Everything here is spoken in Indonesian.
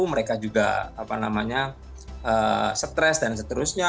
mereka juga stress dan seterusnya